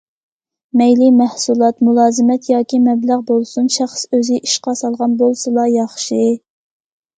مەيلى مەھسۇلات، مۇلازىمەت ياكى مەبلەغ بولسۇن، شەخس ئۆزى ئىشقا سالغان بولسىلا ياخشى.